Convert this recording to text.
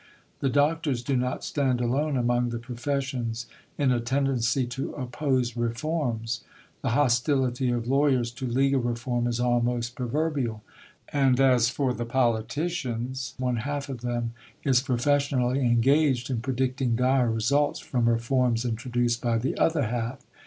The doctors do not stand alone among the professions in a tendency to oppose reforms. The hostility of lawyers to legal reform is almost proverbial; and as for the politicians, one half of them is professionally engaged in predicting dire results from reforms introduced by the other half.